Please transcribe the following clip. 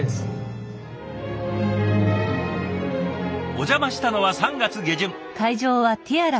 お邪魔したのは３月下旬。